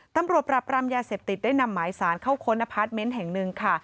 ตำรวจปรับรามยาเสพติดได้นำหมายสารเข้าค้นอพาร์ทเมนต์แห่งหนึ่งค่ะ